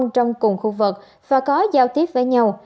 trong cùng khu vực và có giao tiếp với nhau